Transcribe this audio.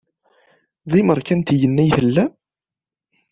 D imerkantiyen i tellam?